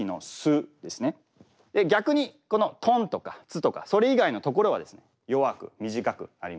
逆にこの「とん」とか「つ」とかそれ以外の所はですね弱く短くなりますので。